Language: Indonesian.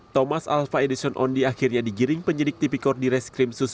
thomas alva edison ondi akhirnya digiring penyidik tipikor di reskrim sus